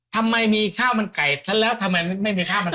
ทำไมมีข้าวมันไก่ฉันแล้วทำไมไม่มีข้าวมันไก่